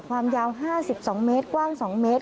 ความยาว๕๒เมตรกว้าง๒เมตร